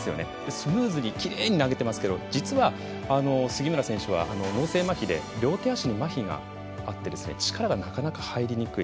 スムーズにきれいに投げていますけれども、実は杉村選手は脳性まひで両手足にまひがあって力がなかなか入りにくい。